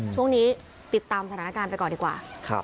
ช่วงนี้ติดตามสถานการณ์ไปก่อนดีกว่า